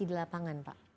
implementasi di lapangan pak